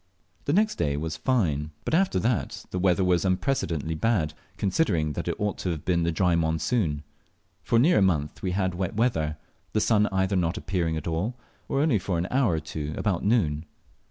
The next day was fine, but after that the weather was unprecedentedly bad, considering that it ought to have been the dry monsoon. For near a month we had wet weather; the sun either not appearing at all, or only for an hour or two about noon.